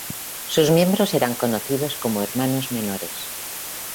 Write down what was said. Sus miembros eran conocidos como hermanos menores.